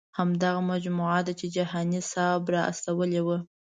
همدغه مجموعه ده چې جهاني صاحب را استولې وه.